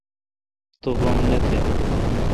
تو غم نہ تھ۔